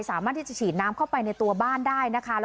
สามารถที่จะฉีดน้ำเข้าไปในตัวบ้านได้นะคะ